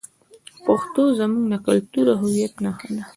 پښتو زموږ د کلتور او هویت نښه ده.